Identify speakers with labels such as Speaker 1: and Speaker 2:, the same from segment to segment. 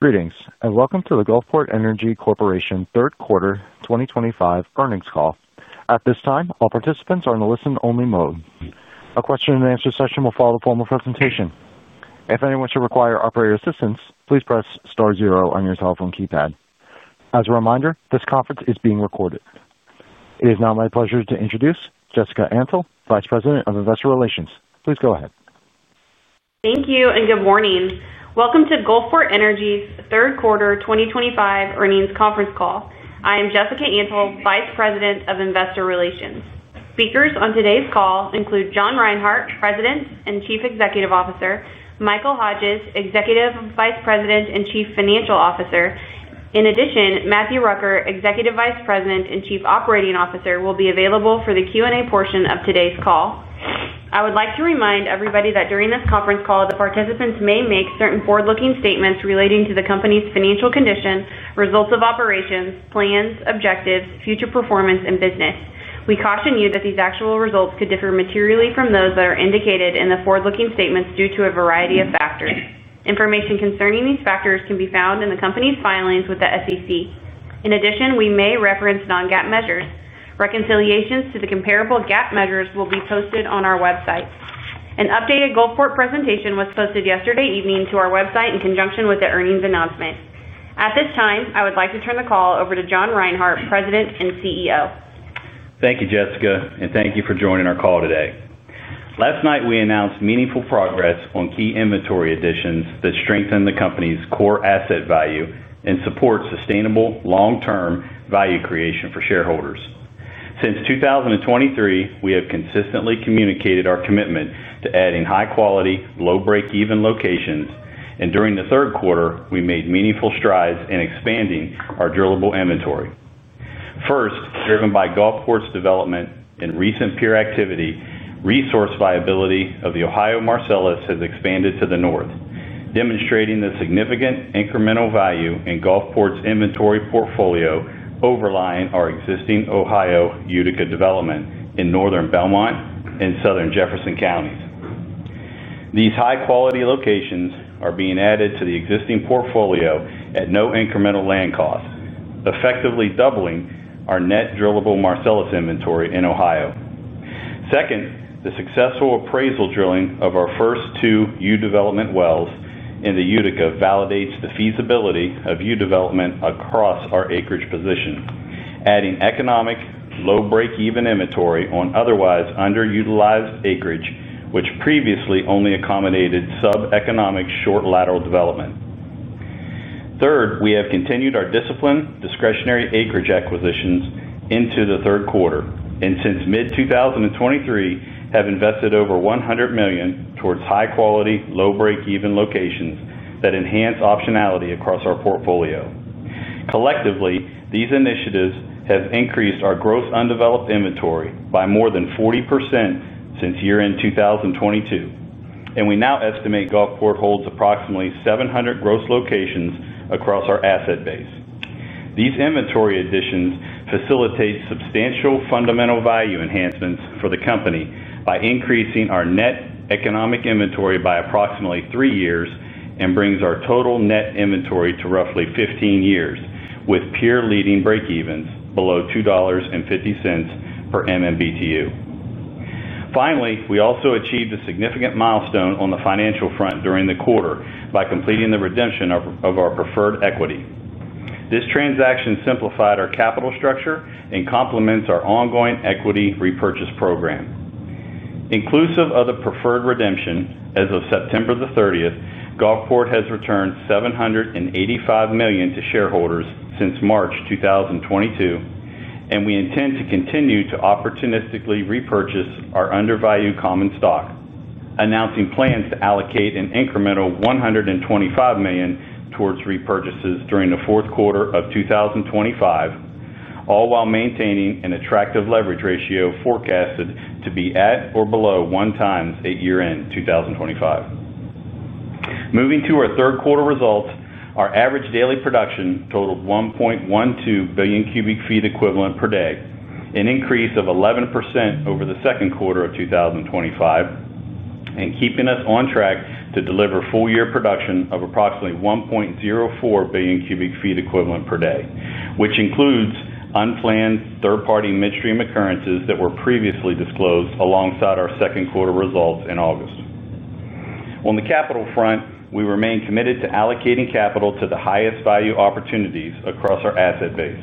Speaker 1: Greetings and welcome to the Gulfport Energy Corporation Third Quarter 2025 Earnings Call. At this time all participants are in the listen only mode. A question and answer session will follow the formal presentation. If anyone should require operator assistance, please press star zero on your telephone keypad. As a reminder, this conference is being recorded. It is now my pleasure to introduce Jessica Antle, Vice President of Investor Relations. Please go ahead.
Speaker 2: Thank you and good morning. Welcome to Gulfport Energy's Third Quarter 2025 Earnings Conference Call. I am Jessica Antle, Vice President of Investor Relations. Speakers on today's call include John Reinhart, President and Chief Executive Officer, Michael Hodges, Executive Vice President and Chief Financial Officer. In addition, Matthew Rucker, Executive Vice President and Chief Operating Officer, will be available for the Q&A portion of today's call. I would like to remind everybody that during this conference call the participants may make certain forward looking statements relating to the Company's financial condition, results of operations, plans, objectives, future performance, and business. We caution you that these actual results could differ materially from those that are indicated in the forward looking statements due to a variety of factors. Information concerning these factors can be found in the Company's filings with the SEC. In addition, we may reference non-GAAP measures. Reconciliations to the comparable GAAP measures will be posted on our website. An updated Gulfport presentation was posted yesterday evening to our website in conjunction with their earnings announcement. At this time I would like to turn the call over to John Reinhart, President and CEO.
Speaker 3: Thank you Jessica and thank you for joining our call today. Last night we announced meaningful progress on key inventory additions that strengthen the Company's core asset value and support sustainable long term value creation for shareholders. Since 2023 we have consistently communicated our commitment to adding high quality low breakeven locations and during the third quarter we made meaningful strides expanding our drillable inventory. First, driven by Gulfport's development and recent peer activity, resource viability of the Ohio Marcellus has expanded to the north, demonstrating the significant incremental value in Gulfport's inventory portfolio overlying our existing Ohio Utica development in northern Belmont and southern Jefferson Counties. These high quality locations are being added to the existing portfolio at no incremental land cost, effectively doubling our net drillable Marcellus inventory in Ohio. Second, the successful appraisal drilling of our first two U-development wells in the Utica validates the feasibility of U-development across our acreage position, adding economic low breakeven inventory on otherwise underutilized acreage which previously only accommodated subeconomic short lateral development. Third, we have continued our disciplined discretionary acreage acquisitions into the third quarter and since mid 2023 have invested over $100 million towards high quality, low breakeven locations that enhance optionality across our portfolio. Collectively, these initiatives have increased our gross undeveloped inventory by more than 40% since year end 2022 and we now estimate Gulfport holds approximately 700 gross locations across our asset. These inventory additions facilitate substantial fundamental value enhancements for the company by increasing our net economic inventory by approximately 3 years and brings our total net inventory to roughly 15 years with peer-leading breakevens below $2.50 per MMBtu. Finally, we also achieved a significant milestone on the financial front during the quarter by completing the redemption of our preferred equity. This transaction simplified our structure and complements our ongoing equity repurchase program inclusive of the preferred redemption. As of September 30th, Gulfport has returned $785 million to shareholders since March 2022 and we intend to continue to opportunistically repurchase our undervalued common stock, announcing plans to allocate an incremental $125 million towards repurchases during the fourth quarter of 2025, all while maintaining an attractive leverage ratio forecasted to be at or below 1x at year end 2025. Moving to our third quarter results, our average daily production totaled 1.12 billion cu ft equivalent per day, an increase of 11% over the second quarter of 2025 and keeping us on track to deliver full year production of approximately 1.04 billion cu ft equivalent per day, which includes unplanned third party midstream occurrences that were previously disclosed alongside our second quarter results in August. On the capital front, we remain committed to allocating capital to the highest value opportunities across our asset base.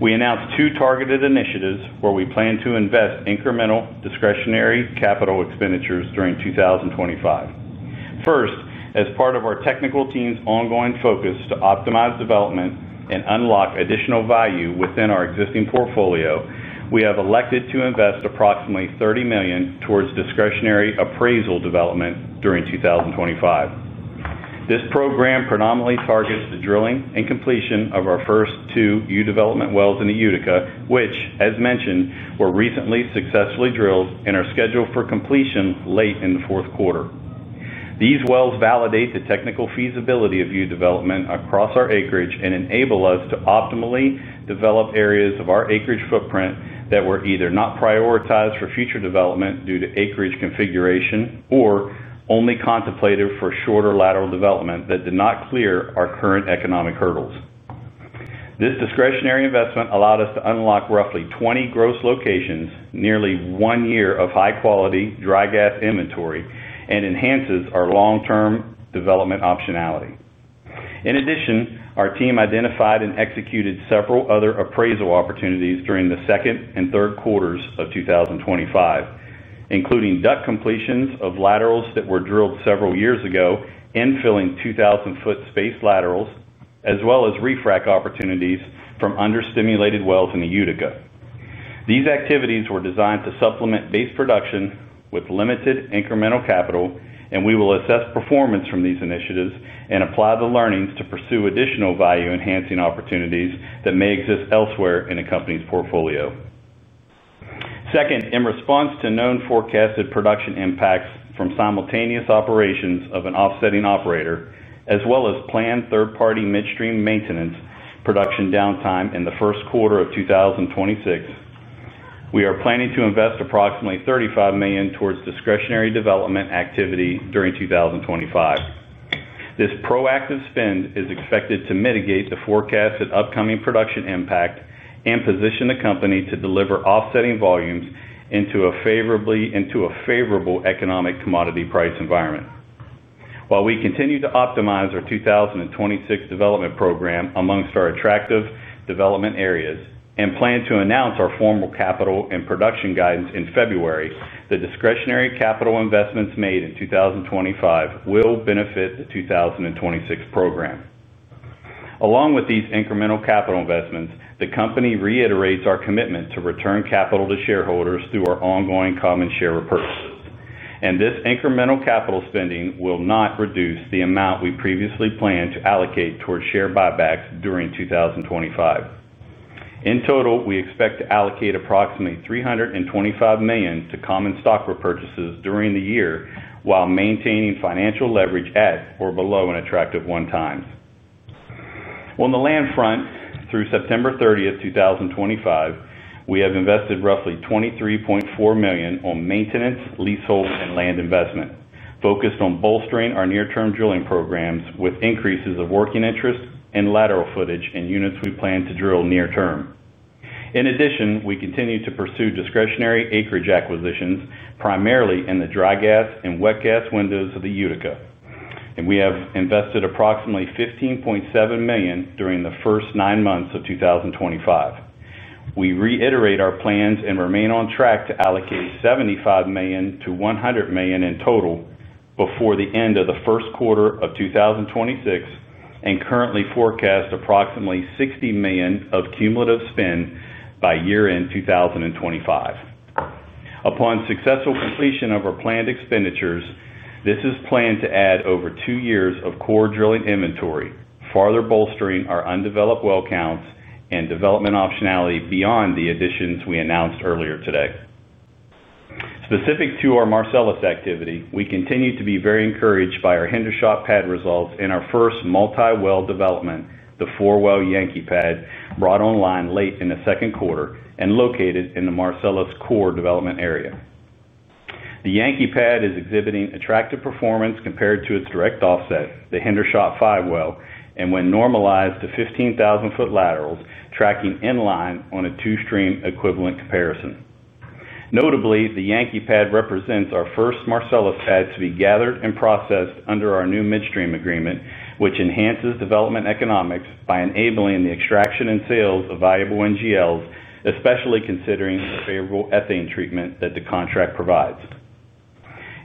Speaker 3: We announced two targeted initiatives where we plan to invest incremental discretionary capital expenditures during 2025. First, as part of our technical team's ongoing focus to optimize development and unlock additional value within our existing portfolio, we have elected to invest approximately $30 million towards discretionary appraisal development during 2025. This program predominantly targets the drilling and completion of our first two U-development wells in the Utica, which as mentioned were recently successfully drilled and are scheduled for completion late in the fourth quarter. These wells validate the technical feasibility of two U-development across our acreage and enable us to optimally develop areas of our acreage footprint that were either not prioritized for future development due to acreage configuration or contemplated for shorter lateral development that did not clear our current economic hurdles. This discretionary investment allowed us to unlock roughly 20 gross locations, nearly one year of high-quality dry gas inventory, and enhances our long-term development optionality. In addition, our team identified and executed several other appraisal opportunities during the second and third quarters of 2025, including DUC completions of laterals that were drilled several years ago and filling 2,000-foot spaced laterals as well as refrac opportunities from understimulated wells in the Utica. These activities were designed to supplement base production with limited incremental capital and we will assess performance from these initiatives and apply the learnings to pursue additional value enhancing opportunities that may exist elsewhere in a company's portfolio. Second, in response to known forecasted production impacts from simultaneous operations of an offsetting operator as well as planned third party midstream maintenance production downtime in the first quarter of 2026, we are planning to invest approximately $35 million towards discretionary development activity during 2025. This proactive spend is expected to mitigate the forecasted upcoming production impact and position the company to deliver offsetting volumes into a favorable economic commodity price environment. While we continue to optimize our 2026 development program amongst our attractive development areas and plan to announce our formal capital and production guidance in February, the discretionary capital investments made in 2025 will benefit the 2026 program. Along with these incremental capital investments, the company reiterates our commitment to return capital to shareholders through our ongoing common share repurchases and this incremental capital spending will not reduce the amount we previously planned to allocate towards share buybacks during 2025. In total, we expect to allocate approximately $325 million to common stock repurchases during the year while maintaining financial leverage at or below an attractive 1x on the land front. Through September 30th, 2025, we have invested roughly $23.4 million on maintenance, leasehold and land investment focused on bolstering our near term drilling programs with increases of working interest and lateral footage in units we plan to drill near term. In addition, we continue to pursue discretionary acreage acquisitions and primarily in the dry gas and wet gas windows of the Utica, and we have invested approximately $15.7 million during the first nine months of 2025. We reiterate our plans and remain on track to allocate $75 million-$100 million in total before the end of the first quarter of 2026 and currently forecast approximately $60 million of cumulative spend by year end 2025. Upon successful completion of our planned expenditures, this is planned to add over two years of core drilling inventory, farther bolstering our undeveloped well counts and development optionality beyond the additions we announced earlier today. Specific to our Marcellus activity, we continue to be very encouraged by our Hendershot pad results in our first multi-well development, the 4-well Yankee pad. Brought online late in the second quarter and located in the Marcellus Core Development area, the Yankee pad is exhibiting attractive performance compared to its direct offset, the Hendershot 5-well, and when normalized to 15,000-foot laterals, tracking in line on a two stream equivalent comparison. Notably, the Yankee pad represents our first Marcellus pad to be gathered and processed under our new midstream agreement, which enhances development economics by enabling the extraction and sales of valuable NGLs, especially considering the favorable ethane treatment that the contract provides.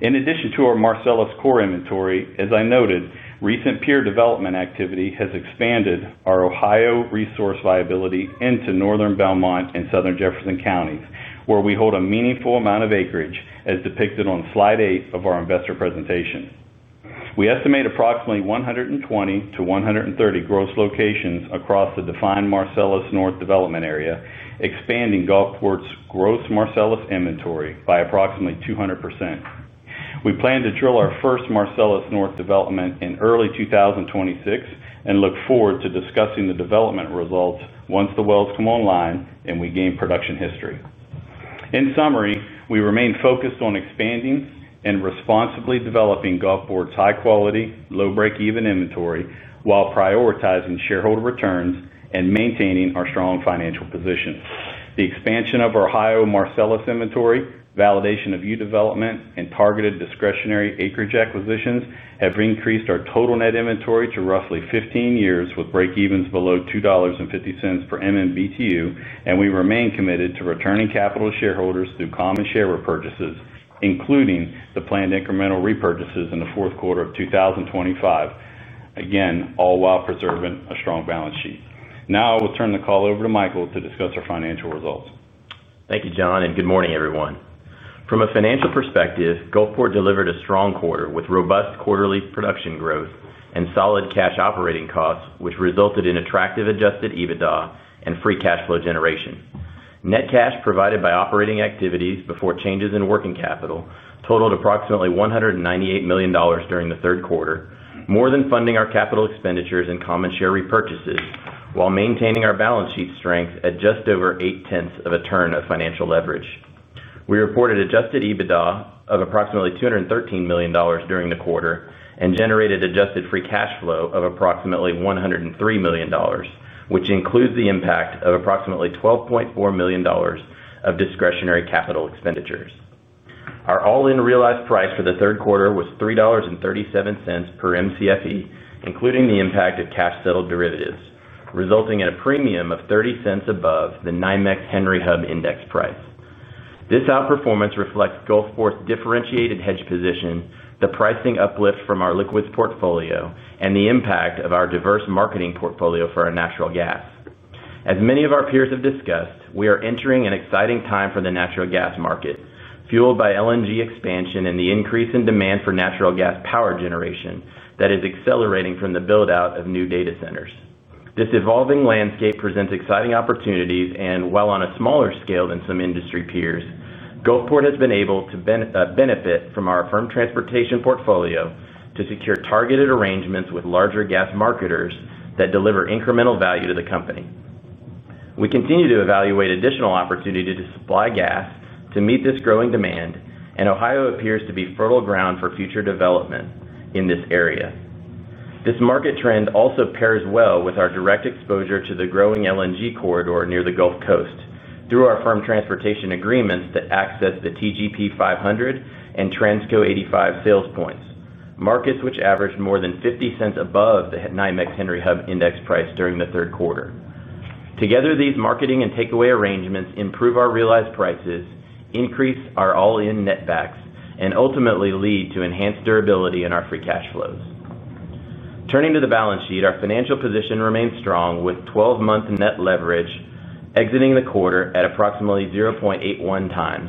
Speaker 3: In addition to our Marcellus core inventory, as I noted, recent peer development activity has expanded our Ohio resource viability into northern Belmont and southern Jefferson Counties, where we hold a meaningful amount of acreage. As depicted on Slide 8 of our investor presentation, we estimate approximately 120-130 gross locations across the defined Marcellus North development area, expanding Gulfport's gross Marcellus inventory by approximately 200%. We plan to drill our first Marcellus North development in early 2026 and look forward to discussing the development results once the wells come online and we gain production history. In summary, we remain focused on expanding and responsibly developing Gulfport's high quality low breakeven inventory while prioritizing shareholder returns and maintaining our strong financial position. The expansion of our Ohio Marcellus inventory, validation of U-development and targeted discretionary acreage acquisitions have increased our total net inventory to roughly 15 years with breakevens below $2.50 per MMBtu, and we remain committed to returning capital to shareholders through common share repurchases, including the planned incremental repurchases in the fourth quarter of 2025, again, all while preserving a strong balance sheet. Now I will turn the call over to Michael to discuss our financial results.
Speaker 4: Thank you John and good morning everyone. From a financial perspective, Gulfport delivered a strong quarter with robust quarterly production growth and solid cash operating costs, which resulted in attractive adjusted EBITDA and free cash flow generation. Net cash provided by operating activities before changes in working capital totaled approximately $198 million during the third quarter, more than funding our capital expenditures and common share repurchases while maintaining our balance sheet strength at just over 8/10th of a turn of financial leverage. We reported adjusted EBITDA of approximately $213 million during the quarter and generated adjusted free cash flow of approximately $103 million, which includes the impact of approximately $12.4 million of discretionary capital expenditures. Our all-in realized price for the third quarter was $3.37 per Mcfe including the impact of cash settled derivatives, resulting in a premium of $0.30 above the NYMEX Henry Hub Index price. This outperformance reflects Gulfport's differentiated hedge position, the pricing uplift from our liquids portfolio, and the impact of our diverse marketing portfolio for our natural gas. As many of our peers have discussed, we are entering an exciting time for the natural gas market fueled by LNG expansion and the increase in demand for natural gas power generation that is accelerating from the build out of new data centers. This evolving landscape presents exciting opportunities, and while on a smaller scale than some industry peers, Gulfport has been able to benefit from our firm transportation portfolio to secure targeted arrangements with larger gas marketers that deliver incremental value to the company. We continue to evaluate additional opportunity to supply gas to meet this growing demand, and Ohio appears to be fertile ground for future development in this area. This market trend also pairs well with our direct exposure to the growing LNG corridor near the Gulf Coast through our firm transportation agreements that access the TGP 500 and Transco 85 sales points markets which averaged more than $0.50 above the NYMEX Henry Hub index price during the third quarter. Together these marketing and takeaway arrangements improve our realized prices, increase our all-in netbacks, and ultimately lead to enhanced durability in our free cash flows. Turning to the balance sheet, our financial position remains strong with 12-month net leverage exiting the quarter at approximately 0.81x,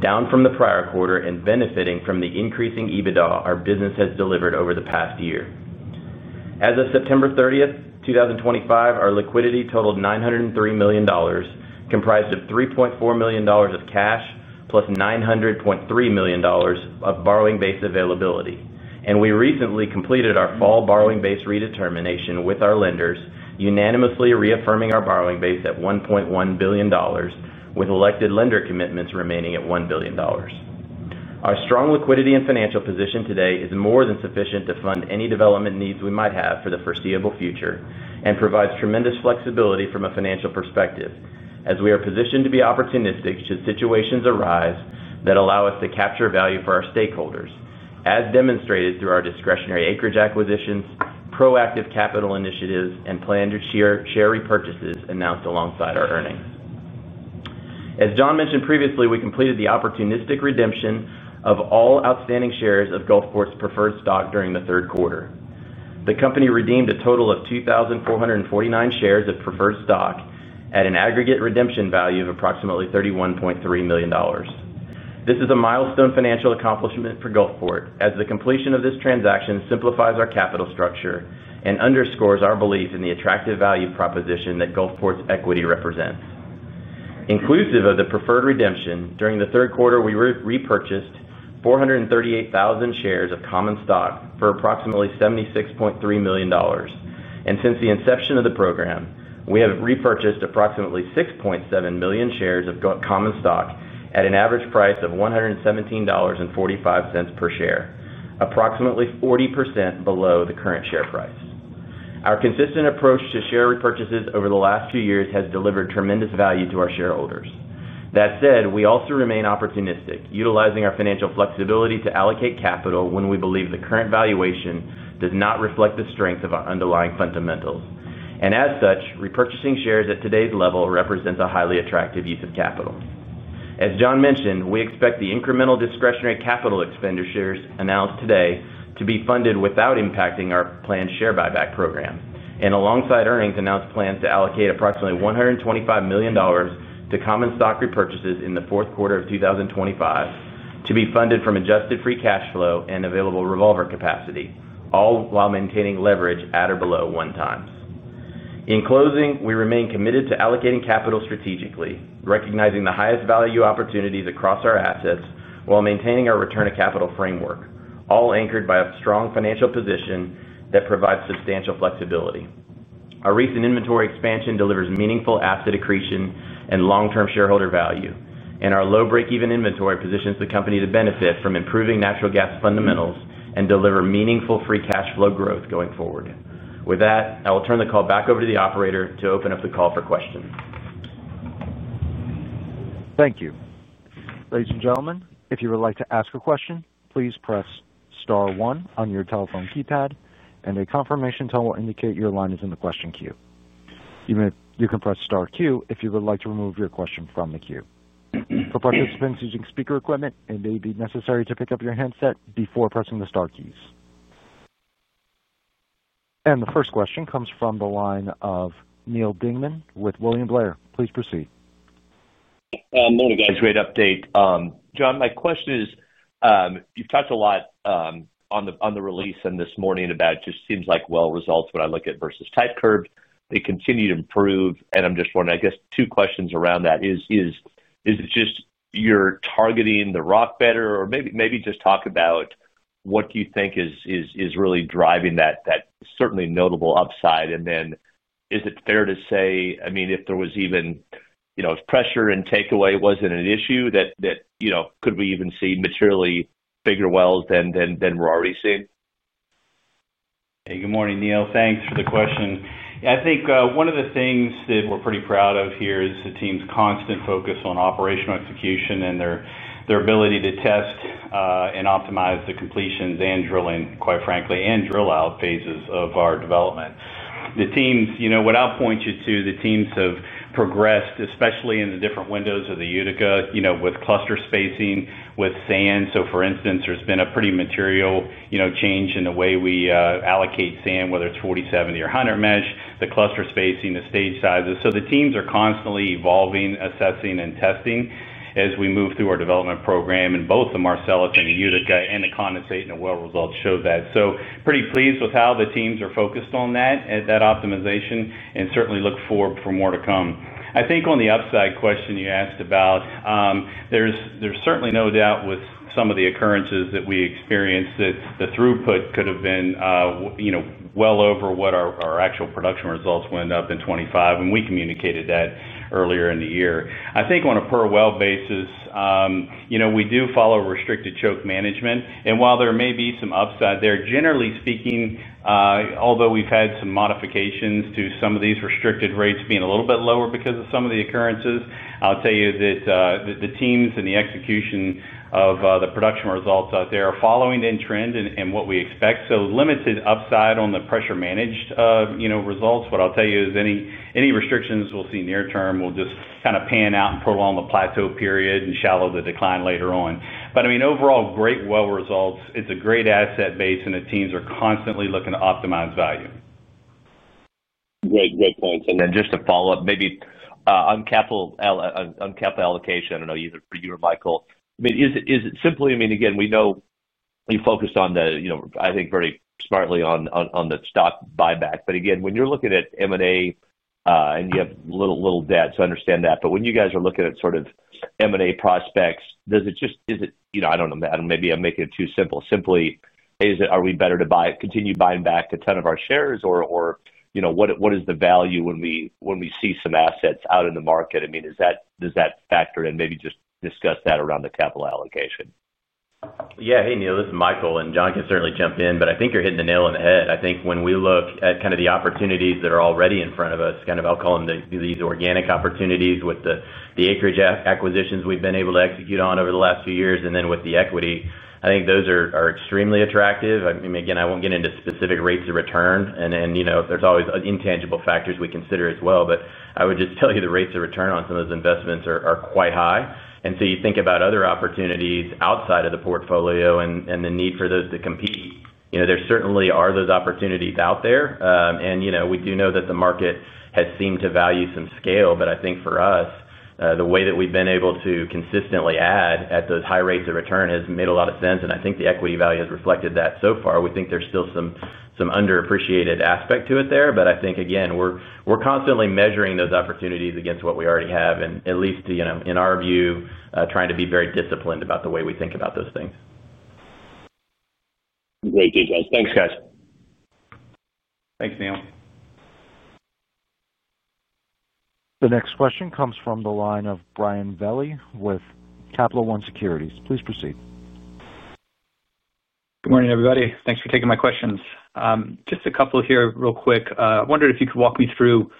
Speaker 4: down from the prior quarter and benefiting from the increasing EBITDA our business has delivered over the past year. As of September 30th, 2025, our liquidity totaled $903 million comprised of $3.4 million of cash plus $900.3 million of borrowing base availability and we recently completed our fall borrowing base redetermination with our lenders unanimously reaffirming our borrowing base at $1.1 billion with elected lender commitments remaining at $1 billion. Our strong liquidity and financial position today is more than sufficient for development needs we might have for the foreseeable future and provides tremendous flexibility from a financial perspective as we are positioned to be opportunistic should situations arise that allow us to capture value for our stakeholders as demonstrated through our discretionary acreage acquisitions, proactive capital initiatives and plan to share repurchases announced alongside our earnings. As John mentioned previously, we completed the opportunistic redemption of all outstanding shares of Gulfport's preferred stock during the third quarter. The company redeemed a total of 2,449 shares of preferred stock at an aggregate redemption value of approximately $31.3 million. This is a milestone financial accomplishment for Gulfport as the completion of this transaction simplifies our capital structure and underscores our belief in the attractive value proposition that Gulfport's equity represents inclusive of the preferred redemption. During the third quarter we repurchased 438,000 shares of common stock for approximately $76.3 million and since the inception of the program, we have repurchased approximately 6.7 million shares of common stock at an average price of $117.45 per share, approximately 40% below the current share price. Our consistent approach to share repurchases over the last few years has delivered tremendous value to our shareholders. That said, we also remain opportunistic, utilizing our financial flexibility to allocate capital when we believe the current valuation does not reflect the strength of our underlying fundamentals and as such, repurchasing shares at today's level represents a highly attractive use of capital. As John mentioned, we expect the incremental discretionary capital expenditures announced today to be funded without impacting our planned share buyback program and alongside earnings, announced plans to allocate approximately $125 million to common stock repurchases in the fourth quarter of 2025 to be funded from adjusted free cash flow and available revolver capacity, all while maintaining leverage at or below 1x. In closing, we remain committed to allocating capital strategically recognizing the highest value opportunities across our assets while maintaining our return of capital framework, all anchored by a strong financial position that provides substantial flexibility. Our recent inventory expansion delivers meaningful asset accretion and long term shareholder value and our low breakeven inventory positions the company to benefit from improving natural gas fundamentals and deliver meaningful free cash flow growth going forward. With that, I will turn the call back over to the operator to open up the call for questions.
Speaker 1: Thank you ladies and gentlemen. If you would like to ask a question, please press star one on your telephone keypad and a confirmation tone will indicate your line is in the question queue. You can press star two if you would like to remove your question from the queue. For participants using speaker equipment, it may be necessary to pick up your handset before pressing the star keys. The first question comes from the line of Neal Dingmann with William Blair. Please proceed.
Speaker 5: Morning guys. Great update, John. My question is you've talked a lot on the release and this morning about just seems like well results when I look at versus type curve they continue to improve. I'm just wondering, I guess two questions around that. Is it just you're targeting the rock better or maybe just talk about what do you think is really driving that certainly notable upside. Is it fair to say, I mean if there was, even if pressure and takeaway wasn't an issue, that could we even see materially bigger wells than we're already seeing?
Speaker 3: Hey, good morning Neal. Thanks for the question. I think one of the things that we're pretty proud of here is the team's constant focus on operational execution and their ability to test and optimize the completions and drilling, quite frankly, and drill out phases of our development. The teams, you know, what I'll point you to. The teams have progressed especially in the different windows of the Utica with cluster spacing with sand. For instance, there's been a pretty material change in the way we allocate sand, whether it's 40/70 or 100 mesh, the cluster spacing, the stage sizes. The teams are constantly evolving, assessing, and testing as we move through our development program in both the Marcellus and the Utica and the condensate, and the well results show that. Pretty pleased with how the teams are focused on that optimization and certainly look forward for more to come. I think on the upside question you asked about, there's certainly no doubt with some of the occurrences that we experienced that the throughput could have been well over what our actual production results went up in 2025 and we communicated that earlier in the year. I think on a per well basis we do follow restricted choke management. And while there may be some upside there, generally speaking, although we've had some modifications to some of these restricted rates being a little bit lower because of some of the occurrences, I'll tell you that the teams and the execution of the production results out there are following in trend and what we expect. Limited upside on the pressure managed results, what I'll tell you is any restrictions we'll see near term will just kind of pan out and prolong the plateau period and shallow the decline later on. I mean overall great well results, it's a great asset base and the teams are constantly looking to optimize value.
Speaker 5: Great, great points. Just to follow up, maybe. On capital, on capital allocation, I don't know, either for you or Michael, I mean, is it, is it simply. I mean, again, we know you focused on the, you know, I think very smartly on, on the stock buyback. Again, when you're looking at M&A and you have little, little debt, so understand that. When you guys are looking at sort of M&A prospects, does it just, is it, you know, I don't know, I'm, maybe I'm making it too simple. Simply, are we better to buy, continue buying back a ton of our shares, or what is the value when we see some assets out in the market? Does that factor in. Maybe just discuss that around the capital allocation?
Speaker 4: Yeah. Hey, Neal, this is Michael and John can certainly jump in, but I think you're hitting the nail on the head. I think when we look at kind of the opportunities that are already in front of us, kind of, I'll call them these organic opportunities. With the acreage acquisitions we've been able to execute on over the last few years and then with the equity, I think those are extremely attractive. Again, I won't get into specific rates of return, and there's always intangible factors we consider as well. I would just tell you the rates of return on some of those investments are quite high. You think about other opportunities outside of the portfolio and the need for those to compete. There certainly are those opportunities out there. We do know that the market has seemed to value some scale. I think for us, the way that we've been able to consistently add at those high rates of return has made a lot of sense. I think the equity value has reflected that so far. We think there's still some underappreciated aspect to it there, but I think, again, we're constantly measuring those opportunities against what we already have and at least in our view, trying to be very disciplined about the way we think about those things.
Speaker 5: Great details. Thanks, guys.
Speaker 3: Thanks, Neal.
Speaker 1: The next question comes from the line of Brian Velie with Capital One Securities. Please proceed.
Speaker 6: Good morning, everybody. Thanks for taking my questions. Just a couple here. Real quick, I wondered if you could walk me through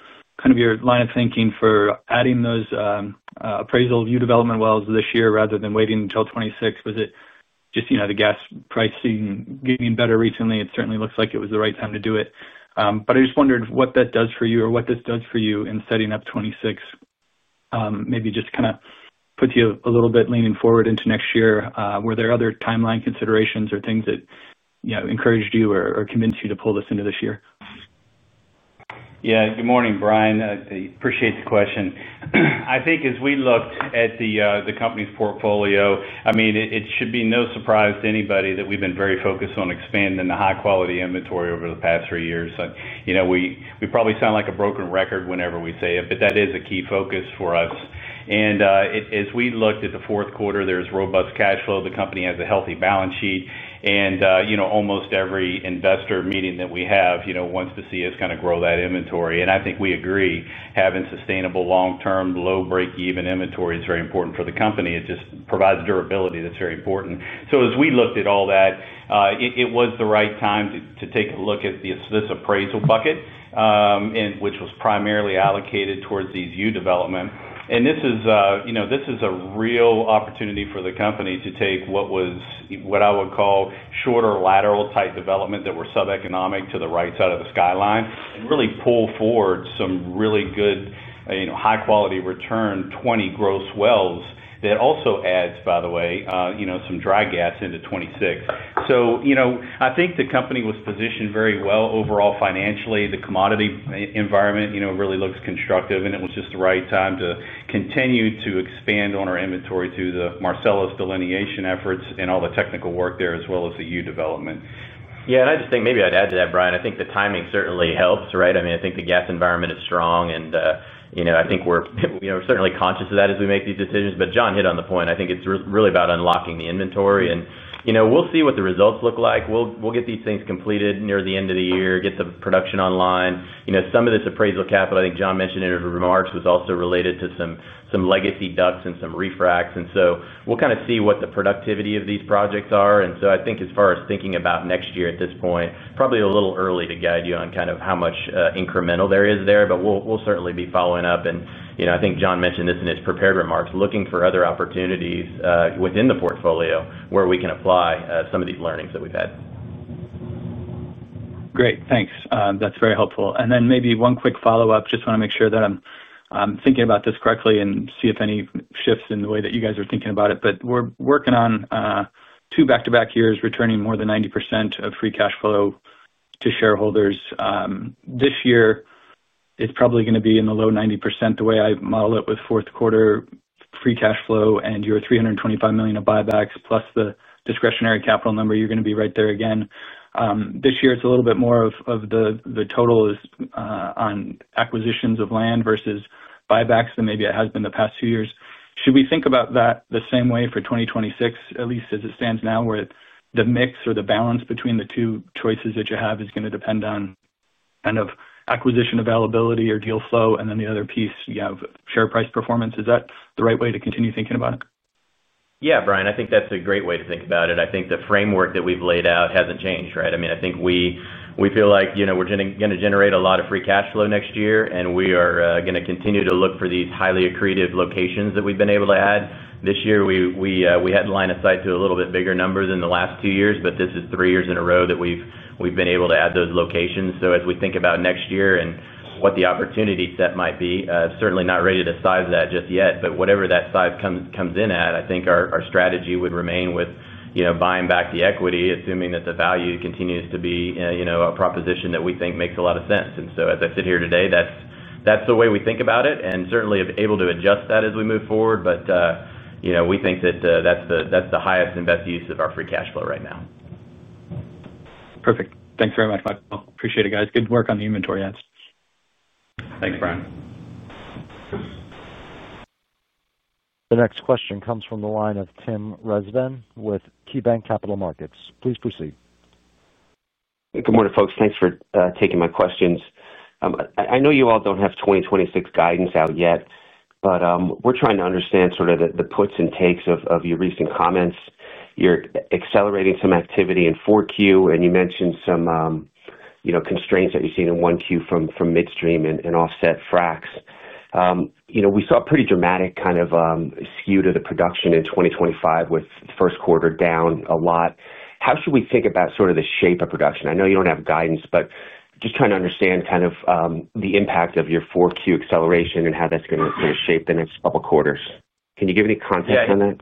Speaker 6: kind of your line of thinking for adding those appraisal of U-development wells this year rather than waiting until 2026. Was it just, you know, the gas price getting better recently? It certainly looks like it was the right time to do it, but I just wondered what that does for you or what this does for you. In setting up 2026 maybe just kind of puts you a little bit leaning forward into next year. Were there other timeline considerations or things that encouraged you or convinced you to pull this into this year?
Speaker 3: Yeah. Good morning, Brian. Appreciate the question. I think as we look at the company's portfolio, I mean it should be no surprise to anybody that we've been very focused on expanding the high quality inventory over the past three years. You know, we probably sound like a broken record whenever we say it. That is a key focus for us. As we look at the fourth quarter, there is robust cash flow, the company has a healthy balance sheet and, you know, almost every investor meeting that we have, you know, wants to see us kind of grow that inventory. I think we agree having sustainable long term, low breakeven inventory is very important for the company. It just provides durability. That is very important. As we looked at all that, it was the right time to take a look at this appraisal bucket which was primarily allocated towards these U-development. This is, you know, this is a real opportunity for the company to take what was what I would call shorter lateral type development that were subeconomic to the right side of the skyline and really pull forward some really good, you know, high quality return 20 gross wells. That also adds, by the way, you know, some dry gas into 2026. So you know, I think the company was positioned very well overall financially. The commodity environment, you know, really looks constructive and it was just the right time to continue to expand on our inventory through the Marcellus delineation efforts and all the technical work there as well as the U-development.
Speaker 4: Yeah, and I just think maybe I'd add to that, Brian. I think the timing certainly helps. Right? I mean, I think the gas environment is strong and, you know, I think we're certainly conscious of that as we make these decisions. John hit on the point. I think it's really about unlocking the inventory and, and we'll see what the results look like. We'll get these things completed near the end of the year, get the production online. Some of this appraisal capital I think John mentioned in his remarks was also related to some legacy DUCs and some refracs and so we'll kind of see what the productivity of these projects are. I think as far as thinking about next year at this point, probably a little early to guide you on kind of how much incremental there is there, but we'll certainly be following up and I think John mentioned this in his prepared remarks looking for other opportunities within the portfolio where we can apply some of these learnings that we've had.
Speaker 6: Great, thanks. That's very helpful. Maybe one quick follow-up. Just want to make sure that I'm thinking about this correctly and see if any shifts in the way that you guys are thinking about it. We're working on two back to back years returning more than 90% of free cash flow to shareholders. This year it's probably going to be in the low 90%. The way I model it with fourth quarter free cash flow and your $325 million of buybacks plus the discretionary capital number, you're going to be right there again this year. It's a little bit more of the total is on acquisitions of land versus buybacks than maybe it has been the past few years. Should we think about that the same way for 2026? At least as it stands now where the mix or the balance between the two choices that you have is going to depend on kind of acquisition availability or deal flow, and then the other piece you have share price performance. Is that the right way to continue thinking about?
Speaker 4: Yes, Brian, I think that's a great way to think about it. I think the framework that we've laid out hasn't changed. Right. I mean, I think we feel like we're going to generate a lot of free cash flow next year and we are going to continue to look for these highly accretive locations that we've been able to add this year. We had line of sight to a little bit bigger number than the last two years. This is three years in a row that we've been able to add those locations. As we think about next year and what the opportunity set might be, certainly not ready to size that just yet, but whatever that size comes in at, I think our strategy would remain with, you know, buying back the equity, assuming that the value continues to be, you know, a proposition that we think makes a lot of sense. As I sit here today, that's the way we think about it and certainly able to adjust that as we move forward. You know, we think that that's the highest and best use of our free cash flow right now.
Speaker 6: Perfect. Thanks very much, Michael. Appreciate it, guys. Good work on the inventory adds.
Speaker 3: Thanks, Brian.
Speaker 1: The next question comes from the line of Tim Rezvan with KeyBanc Capital Markets. Please proceed.
Speaker 7: Good morning, folks. Thanks for taking my questions. I know you all do not have 2026 guidance out yet, but we are trying to understand sort of the puts and takes of your recent comments. You are accelerating some activity in 4Q and you mentioned some constraints that you have seen in 1Q from midstream and offset fracs. We saw a pretty dramatic kind of skew to the production in 2025 with first quarter down a lot. How should we think about sort of the shape of production? I know you do not have guidance, but just trying to understand kind of the impact of your 4Q acceleration and how that is going to shape the next couple quarters. Can you give any context on that?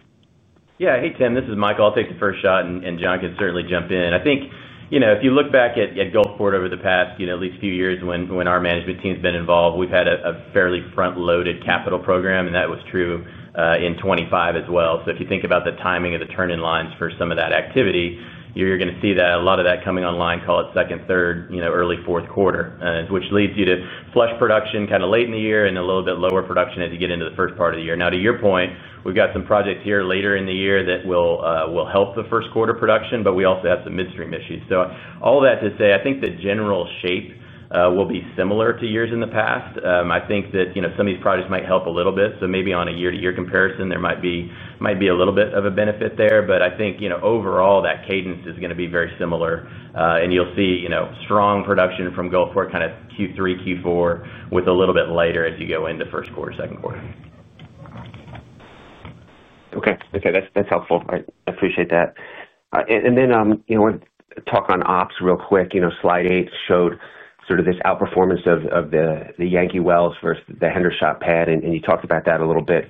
Speaker 4: Yeah. Hey Tim, this is Michael. I'll take the first shot and John can certainly jump in. I think if you look back at Gulfport over the past at least few years when our management team's been involved, we've had a fairly front loaded capital program and that was true in 2025 as well. If you think about the timing of the turn in lines for some of that activity, you're going to see a lot of that coming online, call it second, third, you know, early fourth quarter, which leads you to flush production kind of late in the year and a little bit lower production as you get into the first part of the year. Now, to your point, we've got some projects here later in the year that will help the first quarter production, but we also have some midstream issues. All that to say, I think the general shape will be similar to years in the past. I think that, you know, some of these projects might help a little bit. Maybe on a year to year comparison there might be, might be a little bit of a benefit there. I think, you know, overall that cadence is going to be very similar. You'll see, you know, strong production from Gulfport, kind of Q3, Q4 with a little bit lighter as you go into first quarter, second quarter.
Speaker 7: Okay, okay, that's helpful. I appreciate that. You know, talk on ops real quick. Slide 8 showed sort of this outperformance of the Yankee Wells versus the Hendershot pad. You talked about that a little bit.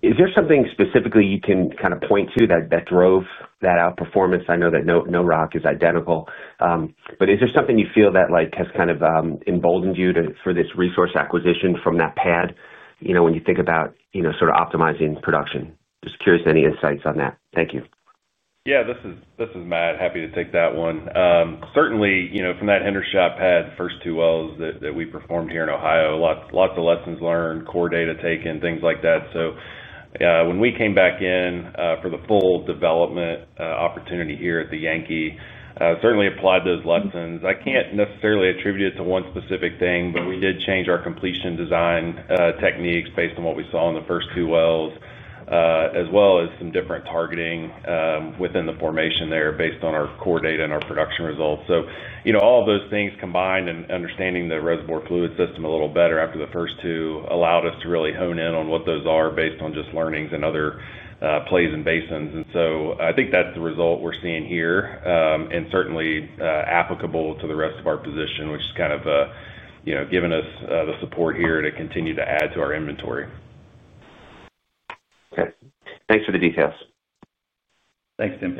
Speaker 7: Is there something specifically you can kind of point to that drove that outperformance? I know that no rock is identical, but is there something you feel that has kind of emboldened you for this resource acquisition from that pad when you think about sort of optimizing production? Just curious. Any insights on that? Thank you.
Speaker 8: Yeah, this is Matt, happy to take that one. Certainly, you know, from that Hendershot pad, first two wells that we performed here in Ohio, lots of lessons learned, core data taken, things like that. When we came back in for the full development opportunity here at the Yankee, certainly applied those lessons. I cannot necessarily attribute it to one specific thing, but we did change our complete design techniques based on what we saw in the first two wells, as well as some different targeting within the formation there based on our core data. Our production results. You know, all those things combined and understanding the reservoir fluid system a little better after the first two allowed us to really hone in on what those are based on just learnings and other plays and basins. I think that's the result we're seeing here and certainly applicable to the rest of our position, which has kind of, you know, given us the support here to continue to add to our inventory.
Speaker 7: Okay, thanks for the details.
Speaker 8: Thanks, Tim.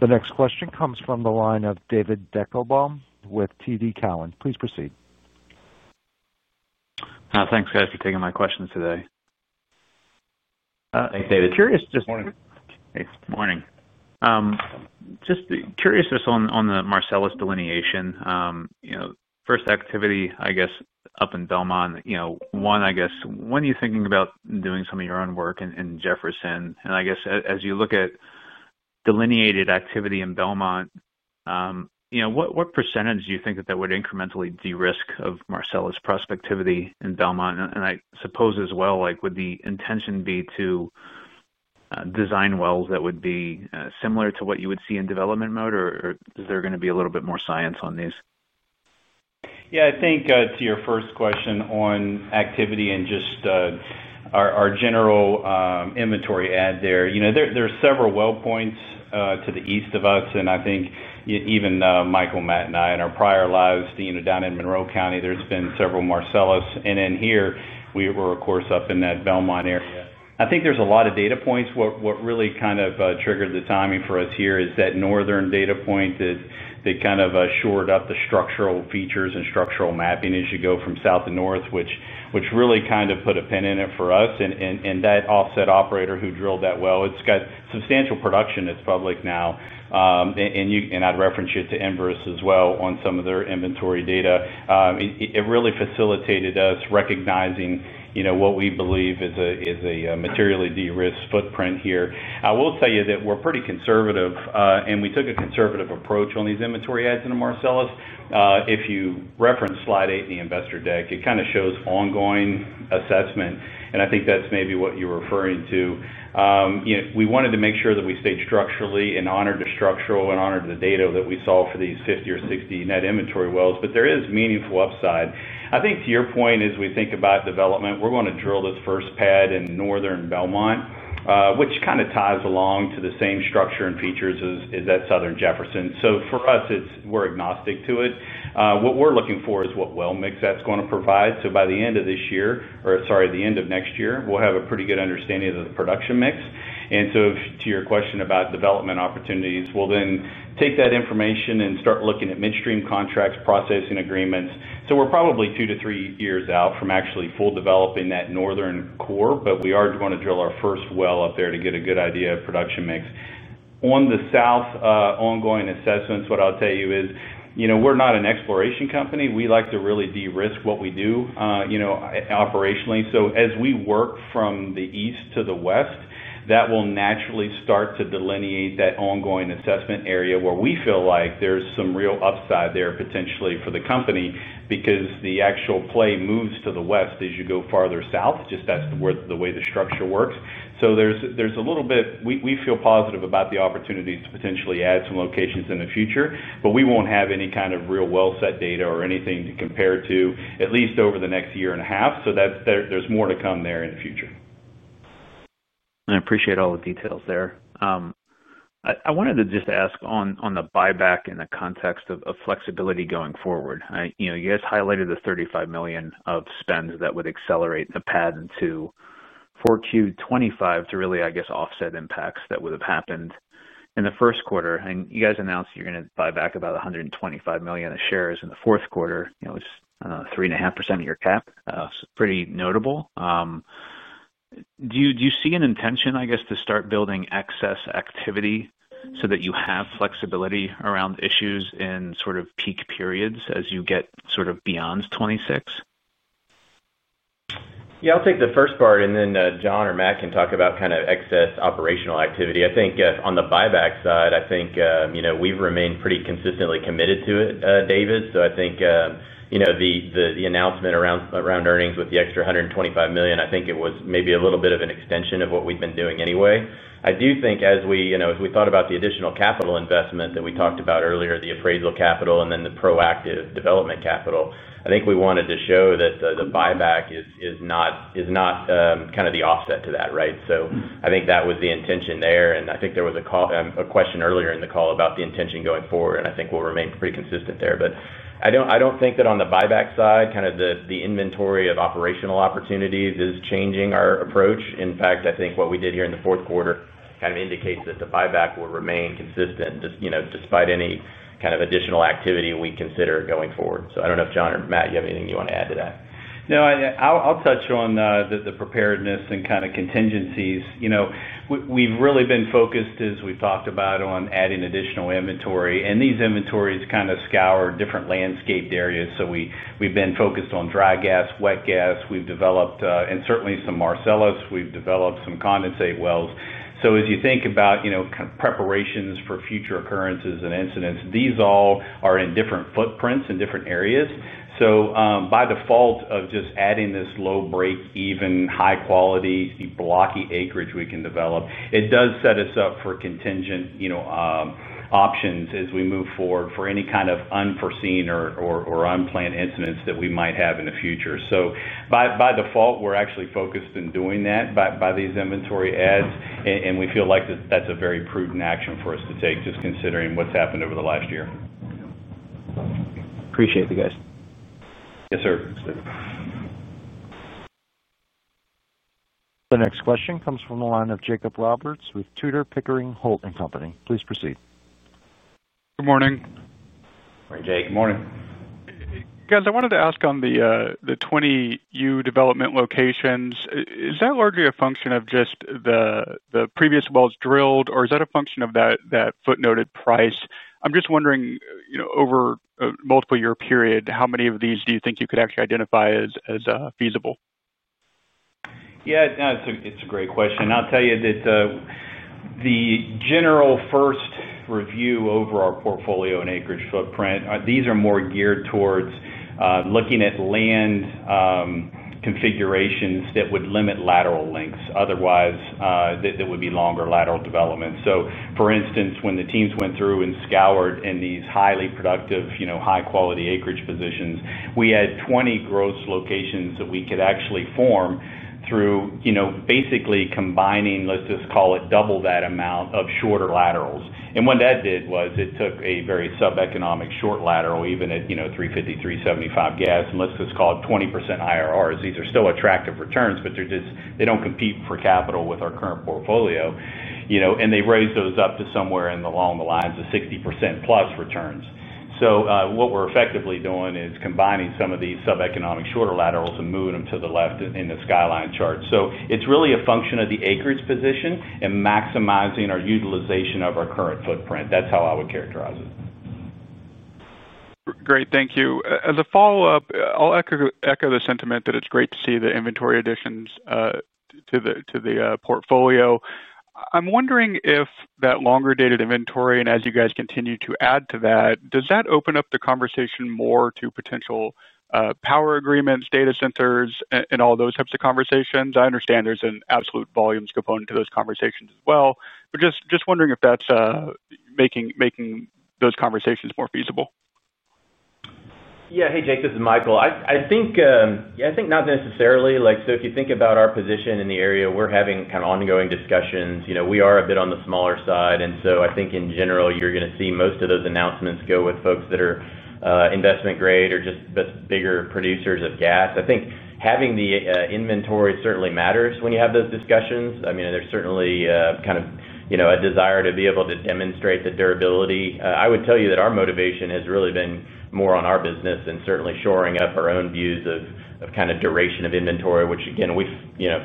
Speaker 1: The next question comes from the line of David Deckelbaum with TD Cowen. Please proceed.
Speaker 9: Thanks guys for taking my questions today.
Speaker 3: Thanks, David.
Speaker 9: Morning. Just curious, just on the Marcellus delineation, you know, first activity, I guess up in Belmont, you know, one, I guess when are you thinking about doing some of your own work in Jefferson? I guess as you look at delineated activity in Belmont, you know, what percentage do you think that that would incrementally de-risk of Marcellus prospectivity in Belmont? I suppose as well, like would the intention design wells that would be similar to what you would see in development mode, or is there going to be a little bit more science on these?
Speaker 3: Yeah, I think to your first question on activity and just our general inventory add there, you know, there are several well points to the east of us and I think even Michael, Matt and I, in our prior lives down in Monroe County, there's been several Marcellus and in here we were of course up in that Belmont area. I think there's a lot of data points. What really kind of triggered the timing for us here is that northern data point, they kind of shored up the structural features and structural mapping as you go from south to north, which really kind of put a pin in it for us. That offset operator who drilled that well, it's got substantial production that's public now. I'd reference you to Enverus as well on some, some of their inventory data. It really facilitated us recognizing, you know, what we believe is a materially de-risked footprint here. I will tell you that we're pretty conservative and we took a conservative approach on these inventory adds in the Marcellus. If you reference Slide 8 in the investor deck, it kind of shows ongoing assessment and I think that's maybe what you're referring to. We wanted to make sure that we stayed structurally in honor of the data that we saw for these 50 or 60 net inventory wells. There is meaningful upside, I think, to your point, as we think about development, we're going to drill this first pad in northern Belmont, which kind of ties along to the same structure and features as that southern Jefferson. For us we're agnostic to it. What we're looking for is what well mix that's going to provide. By the end of this year, or, sorry, the end of next year, we'll have a pretty good understanding of the production mix. To your question about development opportunities, we'll then take that information and start looking at midstream contracts, processing agreements. We're probably two to three years out from actually fully developing that northern core. We are going to drill our first well up there to get a good idea of production mix. On the south ongoing assessments, what I'll tell you is, you know, we're not an exploration company. We like to really de-risk what we do, you know, operationally. As we work from the east to the west, that will naturally start to delineate that ongoing assessment area where we feel like there's some real upside there potentially for the company because the actual play moves to the west as you go farther south. That's just the way the structure works. We feel positive about the opportunities to potentially add some locations in the future. We won't have any kind of real well set data or anything to compare to at least over the next year and a half. There's more to come there in the future.
Speaker 9: I appreciate all the details there. I wanted to just ask on the buyback in the context of flexibility going forward, you guys highlighted the $35 million of spends that would accelerate the path into 4Q 2025 to really, I guess, offset impacts that would have happened in the first quarter. You guys announced you're going to buy back about $125 million of shares in the fourth quarter, 3.5% of your cap, pretty notable. Do you see an intention, I guess, to start building excess activity so that you have flexibility around issues in sort of peak periods as you get sort of beyond 2026?
Speaker 4: Yeah, I'll take the first part and then John or Matt can talk about kind of excess operational activity. I think on the buyback side, I think, you know, we've remained pretty consistently committed to it, David, so I think, you know, the announcement around earnings with the extra $125 million, I think it was maybe a little bit of an extension of what we've been doing anyway. I do think as we, you know, as we thought about the additional capital investment that we talked about earlier, the appraisal capital and then the proactive development capital, I think we wanted to show that the buyback is not kind of the offset to that. Right. I think that was the intention there and I think there was a question earlier in the call about the intention going forward and I think we'll remain pretty consistent there. I do not think that on the buyback side kind of the inventory of operational opportunities is changing our approach. In fact, I think what we did here in the fourth quarter kind of indicates that the buyback will remain consistent despite any kind of additional activity we consider going forward. I do not know if John or Matt, you have anything you want to add to that?
Speaker 3: No, I'll touch on the preparedness and kind of contingencies. You know, we've really been focused as we've talked about on adding additional inventory and these inventories kind of scour different landscaped areas. We've been focused on dry gas, wet gas, we've developed and certainly some Marcellus, we've developed some condensate wells. As you think about, you know, kind of preparations for future occurrences and incidents, these all are in different footprints in different areas. By default of just adding this low, breakeven, high quality, blocky acreage we can develop, it does set us up for contingent options as we move forward for any kind of unforeseen or unplanned incidents that we might have in the future. By default we're actually focused on doing that by these inventory adds and we feel like that's a very prudent action for us to take just considering what's happened over the last year.
Speaker 9: Appreciate it, guys.
Speaker 3: Yes, sir.
Speaker 1: The next question comes from the line of Jacob Roberts with Tudor, Pickering, Holt & Co. Please proceed.
Speaker 10: Good morning,
Speaker 3: Jake. Morning.
Speaker 10: Guys. I wanted to ask, on the two U-development locations, is that largely a function of just the previous wells drilled or. Is that a function of that footnoted price? I'm just wondering, over a multi-year period, how many of these do you? Think you could actually identify as feasible?
Speaker 3: Yeah, it's a great question. I'll tell you that. The general first review over our portfolio and acreage footprint, these are more geared towards looking at land configurations that would limit lateral lengths otherwise would be longer lateral development. For instance, when the teams went through and scoured in these highly productive high quality acreage positions, we had 20 gross locations that we could actually form through basically combining, let's just call it double that amount of shorter laterals. What that did was it took a very sub economic short lateral. Even at $3.53-$3.75 gas and let's just call it 20% IRR. These are still attractive returns, but they're just, they don't compete for capital with our current portfolio, you know, and they raise those up to somewhere along the lines of 60%+ returns. What we're effectively doing is combining some of these sub economic shorter laterals and moving them to the left in the skyline chart. It is really a function of the acreage position and maximizing our utilization of our current footprint. That's how I would characterize it.
Speaker 10: Great, thank you. As a follow up, I'll echo the sentiment that it's great to see the inventory additions to the portfolio. I'm wondering if that longer dated inventory. As you guys continue to add. To that, does that open up the conversation more to potential power agreements, data centers and all those types of conversations? I understand there's an absolute volumes component. To those conversations as well, but just wondering if that's making those conversations more feasible.
Speaker 4: Yeah. Hey Jake, this is Michael. I think not necessarily like. If you think about our position in the area, we're having kind of ongoing discussions. You know, we are a bit on the smaller side. I think in general you're going to see most of those announcements go with folks that are investment grade or just bigger producers of gas. I think having the inventory certainly matters when you have those discussions. I mean there's certainly kind of a desire to be able to demonstrate the durability. I would tell you that our motivation has really been more on our business and certainly shoring up our own views of kind of duration of inventory, which again we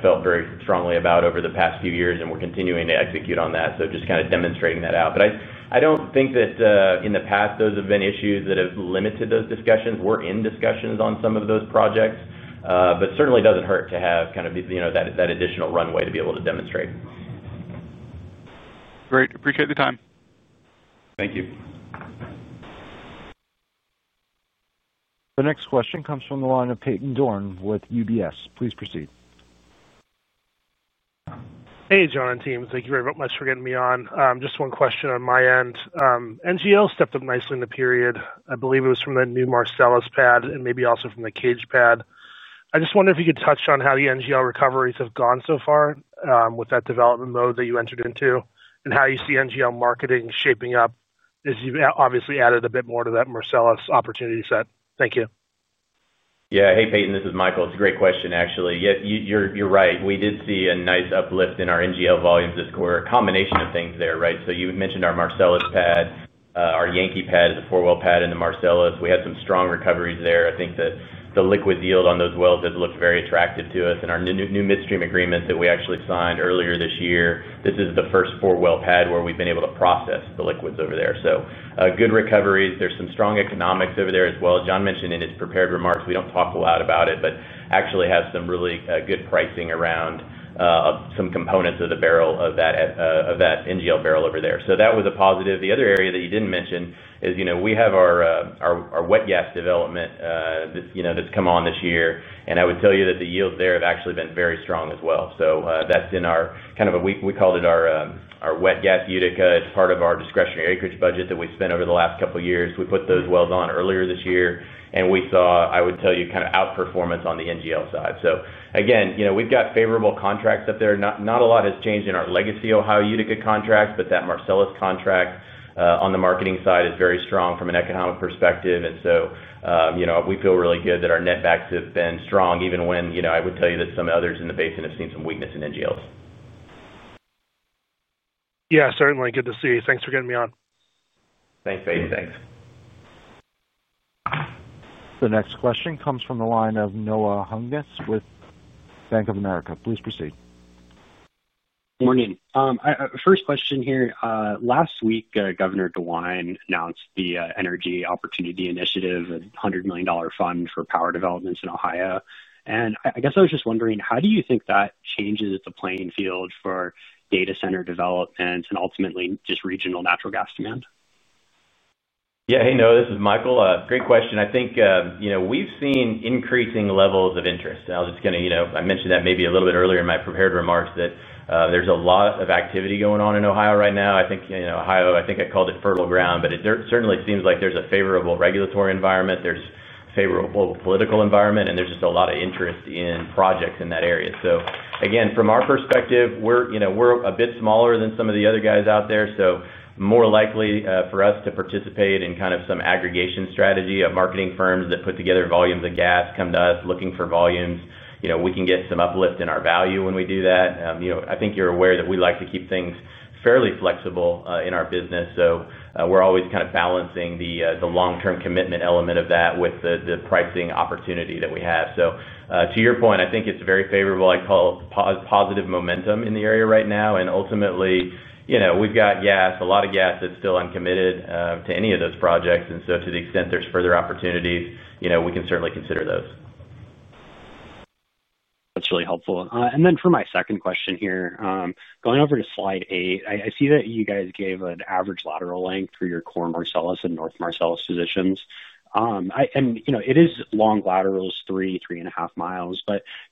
Speaker 4: felt very strongly about over the past few years and we're continuing to execute on that. Just kind of demonstrating that out. I don't think that in the past those have been issues that have limited those discussions. We're in discussions on some of those projects, but certainly doesn't hurt to have kind of that additional runway to be able to demonstrate.
Speaker 10: Great. Appreciate the time.
Speaker 4: Thank you.
Speaker 1: The next question comes from the line of Peyton Dorne with UBS. Please proceed.
Speaker 11: Hey John and team, thank you very much for getting me on. Just one question on my end. NGL stepped up nicely in the period. I believe it was from the new Marcellus pad and maybe also from the [Cage] pad. I just wonder if you could touch on how the NGL recoveries have gone so far with that development mode that you entered into and how you see NGL marketing shaping up as you have obviously added a bit more to that Marcellus opportunity set. Thank you.
Speaker 4: Yeah. Hey, Peyton, this is Michael. It's a great question, actually. You're right. We did see a nice uplift in our NGL volumes this quarter. A combination of things there. Right. You mentioned our Marcellus pad. Our Yankee pad is the 4-well pad in the Marcellus, we had some strong recoveries there. I think the liquid yield on those wells has looked very attractive to us. Our new midstream agreement that we actually signed earlier this year, this is the first 4-well pad where we've been able to process the liquids over there. Good recoveries. There are some strong economics over there as well. John mentioned in his prepared remarks, we do not talk a lot about it, but actually have some really good pricing around some components of the barrel of that NGL barrel over there. That was a positive. The other area that you did not mention is, you know, we have our wet gas development. You know, that has come on this year, and I would tell you that the yields there have actually been very strong as well. That is in our kind of, we called it our wet gas Utica. It is part of our discretionary acreage budget that we spent over the last couple years. We put those wells on earlier this year and we saw, I would tell you, kind of outperformance on the NGL side. You know, we have got favorable contracts up there. Not a lot has changed in our legacy Ohio Utica contracts. That Marcellus contract on the marketing side is very strong from an economic perspective. You know, we feel really good that our netbacks have been strong, even when, you know, I would tell you that some others in the basin have seen some weakness in NGLs.
Speaker 11: Yeah, certainly. Good to see you. Thanks for getting me on.
Speaker 4: Thanks, Peyton.
Speaker 3: Thanks.
Speaker 1: The next question comes from the line of Noah Hungness with Bank of America. Please proceed.
Speaker 12: Morning. First question here. Last week, Governor Mike DeWine announced the Energy Opportunity Initiative $100 million fund for power developments in Ohio. I guess I was just wondering. How do you think that changes the playing field for data center development and ultimately just regional natural gas demand?
Speaker 4: Yeah, hey, no, this is Michael, great question. I think, you know, we've seen increasing levels of interest, and I was just going to, you know, I mentioned that maybe a little bit earlier in my prepared remarks that there's a lot of activity going on in Ohio right now. I think Ohio, I think I called it fertile ground. It certainly seems like there's a favorable regulatory environment, there's favorable political environment, and there's just a lot of interest in projects in that area. Again, from our perspective, we're a bit smaller than some of the other guys out there, so more likely for us to participate in kind of some aggregation strategy of marketing firms that put together volumes, volumes of gas come to us looking for volumes. We can get some uplift in our value when we do that. I think you're aware that we like to keep things fairly flexible in our business. We are always kind of balancing the long term commitment element of that with the pricing opportunity that we have. To your point, I think it is very favorable. I would call positive momentum in the area right now. Ultimately, we have gas, a lot of gas that is still uncommitted to any of those projects. To the extent there are further opportunities, you know, we can certainly consider those.
Speaker 12: That's really helpful. For my second question here. Going over to Slide 8, I see. That you guys gave an average lateral. Length for your core Marcellus and North Marcellus positions. You know, it is long laterals, three, three and a half miles.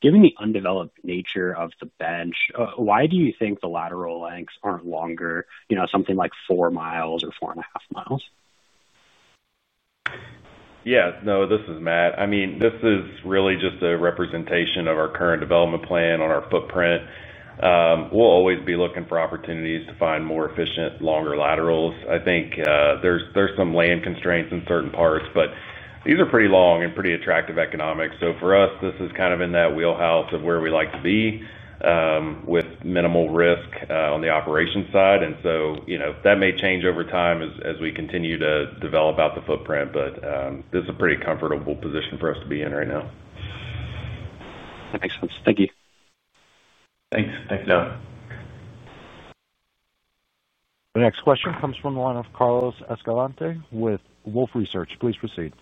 Speaker 12: Given the undeveloped nature of the bench, why do you think the lateral lengths are not longer? You know, something like four miles or. Four and a half miles?
Speaker 8: Yeah, no, this is Matt. I mean, this is really just a representation of our current development plan. On our footprint, we'll always be looking for opportunities to find more efficient, longer laterals. I think there's some land constraints in certain parts, but these are pretty long and pretty attractive economics. For us, this is kind of in that wheelhouse of where we like to be with minimal risk on the operations side. You know, that may change over time as we continue to develop out the footprint, but this is a pretty comfortable position for us to be in right now.
Speaker 12: That makes sense. Thank you.
Speaker 4: Thanks.
Speaker 3: Thanks.
Speaker 1: The next question comes from the line of Carlos Escalante with Wolfe Research. Please proceed.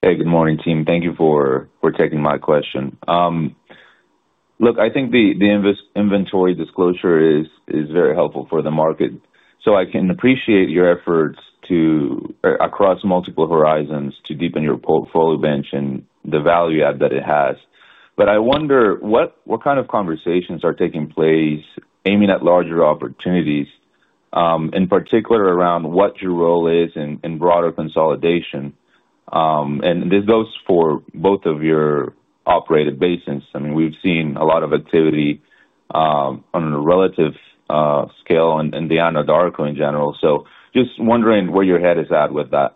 Speaker 13: Hey, good morning, team. Thank you for taking my question. Look, I think the inventory disclosure is. Very helpful for the market, so I. Can appreciate your efforts across multiple horizons. To deepen your portfolio bench and the value add that it has. I wonder what kind of conversations. Are taking place aiming at larger opportunities in particular around what your role is in broader consolidation? This goes for both of your operated basins. I mean, we've seen a lot of. Activity on a relative scale and the Anadarko in general. Just wondering where your head is at with that.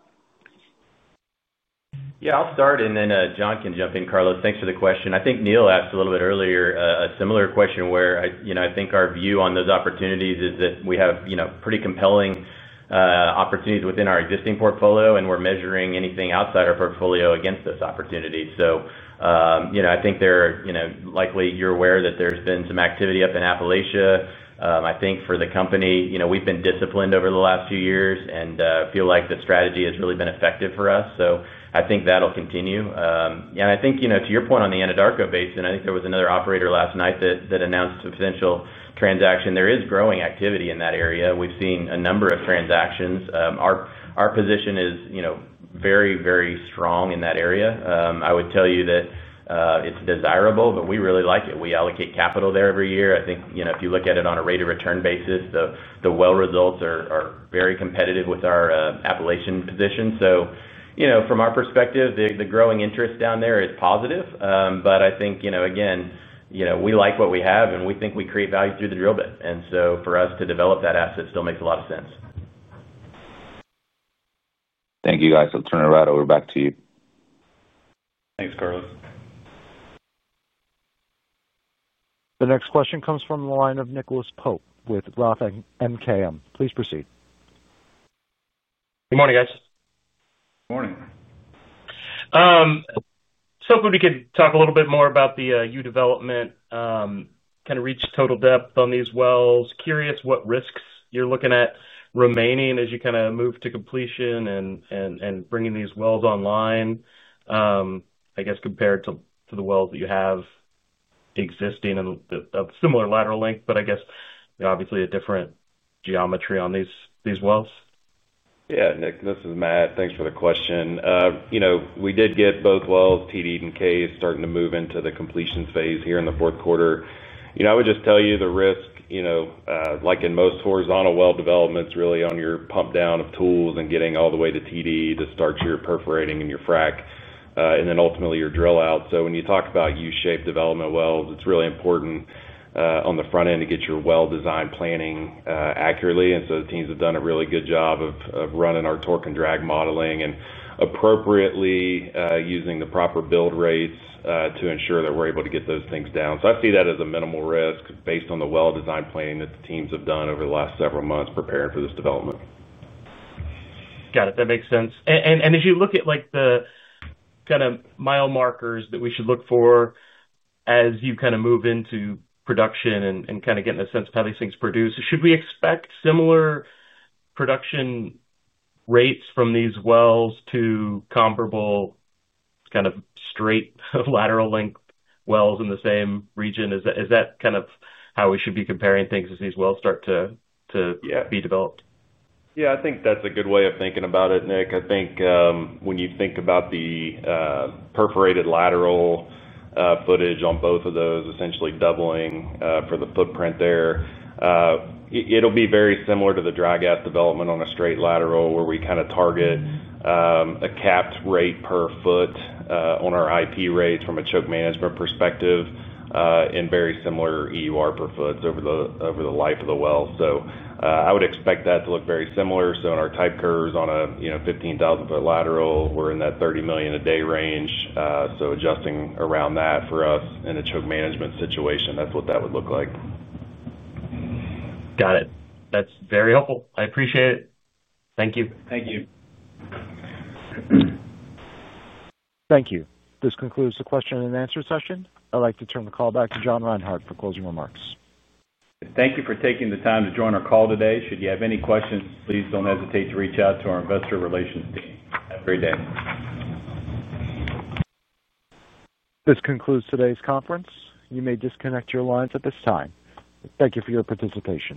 Speaker 4: Yeah, I'll start and then John can jump in. Carlos, thanks for the question. I think Neal asked a little bit earlier a similar question where I think our view on those opportunities is that we have pretty compelling opportunities within our existing portfolio, and we're measuring anything outside our portfolio against those opportunities. You know, I think they're, you know, likely. You're aware that there's been some activity up in Appalachia. I think for the company, you know, we've been disciplined over the last few years and feel like the strategy has really been effective for us. I think that'll continue. I think, you know, to your point on the Anadarko Basin, I think there was another operator last night that announced a potential transaction. There is growing activity in that area. We've seen a number of transactions. Our position is very, very strong in that area. I would tell you that it's desirable, but we really like it. We allocate capital there every year. I think if you look at it on a rate of return basis, the well results are very competitive with our Appalachian position. From our perspective, the growing interest down there is positive. I think, you know, again, you know, we like what we have and we think we create value through the drill bit. For us to develop that asset still makes a lot of sense.
Speaker 13: Thank you, guys. I'll turn it right over. Back to you.
Speaker 3: Thanks, Carlos.
Speaker 1: The next question comes from the line of Nicholas Pope with Roth MKM. Please proceed.
Speaker 14: Good morning.
Speaker 3: Morning.
Speaker 14: Just hoping we could talk a little. Bit more about the two U-development kind. Of reach total depth on these wells. Curious what risks you're looking at remaining? As you kind of move to completion. Bringing these wells online, I guess compared to the wells that you have existing and a similar lateral length, but I guess obviously a different. Geometry on these wells.
Speaker 8: Yeah, Nick, this is Matt. Thanks for the question. You know, we did get both wells, TD and K is starting to move into the completion phase here in the fourth quarter. You know, I would just tell you. The risk, you know, like in most horizontal well developments, really on your pump down of tools and getting all the way to TD to start your perforating and your frac and then ultimately your drill out. When you talk about U-shaped development well, it is really important on the front end to get your well designed planning accurately. The teams have done a really good job of running our torque and drag modeling and appropriately using the proper build rates to ensure that we are able to get those things down. I see that as a minimal risk based on the well designed planning that the teams have done over the last several months preparing for this development.
Speaker 14: Got it. That makes sense. As you look at like the kind of mile markers that we should. Look for as you kind of move. Into production and kind of getting a. Sense of how these things produce should. We expect similar production rates from these wells to comparable kind of straight lateral. Length wells in the same region? Is that kind of how we should? Be comparing things as these wells start to be developed?
Speaker 8: Yeah, I think that's a good way of thinking about it, Nick. I think when you think about the perforated lateral footage on both of those, essentially doubling for the footprint there, it'll be very similar to the dry gas development on a straight lateral where we kind of target a capped rate per foot on our IP rates from a choke management perspective and very similar EUR per foot over the life of the well. I would expect that to look very similar. In our type curves on a, you know, 15,000 foot lateral, we're in that 30 million a day range. Adjusting around that for us in a choke management situation, that's what that would look like.
Speaker 14: Got it. That's very helpful. I appreciate it. Thank you.
Speaker 3: Thank you.
Speaker 1: Thank you. This concludes the question and answer session. I'd like to turn the call back to John Reinhart for closing remarks.
Speaker 3: Thank you for taking the time to join our call today. Should you have any questions, please do not hesitate to reach out to our investor relations team. Have a great day.
Speaker 1: This concludes today's conference. You may disconnect your lines at this time. Thank you for your participation.